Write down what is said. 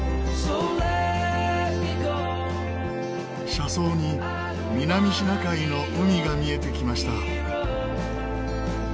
車窓に南シナ海の海が見えてきました。